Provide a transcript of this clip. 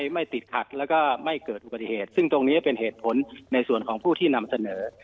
ไม่ติดขัดแล้วก็ไม่เกิดอุบัติเหตุซึ่งตรงนี้เป็นเหตุผลในส่วนของผู้ที่นำเสนอ